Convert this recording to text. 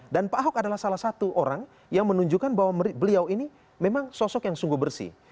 dan pak ahok adalah salah satu orang yang menunjukkan bahwa beliau ini memang sosok yang sungguh bersih